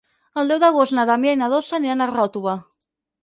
El deu d'agost na Damià i na Dolça aniran a Ròtova.